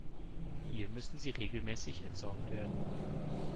Hier müssen sie regelmäßig entsorgt werden.